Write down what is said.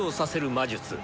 魔術。